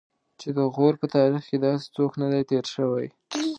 چې د غور په تاریخ کې داسې څوک نه دی تېر شوی.